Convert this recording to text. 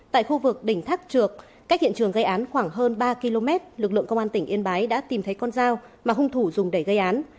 tại khu vực đỉnh thác trược cách hiện trường gây án khoảng hơn ba km lực lượng công an tỉnh yên bái đã tìm thấy con dao mà hung thủ dùng để gây án